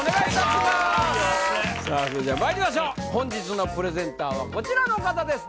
それではまいりましょう本日のプレゼンターはこちらの方です